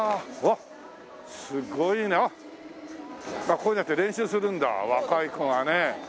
こういうのやって練習するんだ若い子がね。